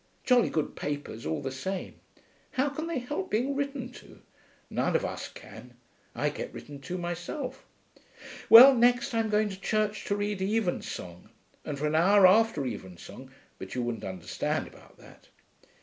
Jolly good papers, all the same. How can they help being written to? None of us can. I get written to myself.... Well, next I'm going to church to read evensong, and for an hour after evensong but you wouldn't understand about that.